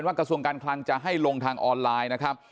กระทรวงการคลังจะให้ลงทางออนไลน์นะครับ